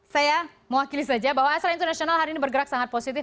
saya mewakili saja bahwa acara internasional hari ini bergerak sangat positif